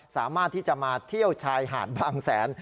สามารถที่จะมาเที่ยวชายหาดบางแสน